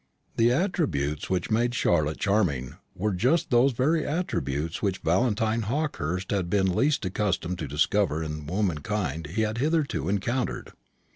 The attributes which made Charlotte charming were just those very attributes which Valentine Hawkehurst had been least accustomed to discover in the womankind he had hitherto encountered.